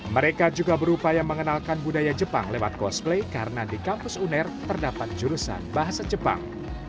mereka juga berupaya mengenalkan budaya jepang lewat cosplay karena di kampus uner terdapat jurusan bahasa jepang